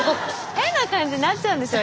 変な感じになっちゃうんですよ